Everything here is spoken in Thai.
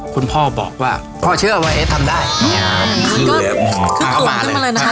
คุณพ่อบอกว่าพ่อเชื่อว่าเอ๊ะทำได้ใช่มันก็คือข่วงขึ้นมาเลยนะคะ